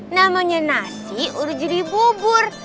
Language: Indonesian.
namanya nasi urut jadi bubur